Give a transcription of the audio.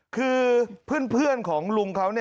คือเพื่อนของลุงเขา